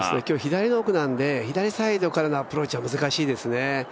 今日は左の奥なんで、左サイドからのアプローチは難しいですね。